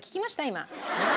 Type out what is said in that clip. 今。